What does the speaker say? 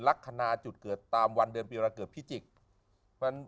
ลักษณะจุดเกิดตามวันเดือนปีเวลาเกิดพิจิกษ์